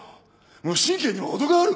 無神経にも程がある！